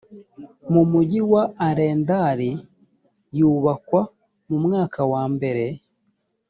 mu mugi wa arendal yubakwa mu mwaka wa mbere